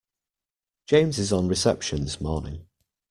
James is on reception this morning